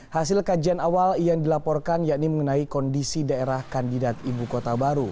hasil kajian awal yang dilaporkan yakni mengenai kondisi daerah kandidat ibu kota baru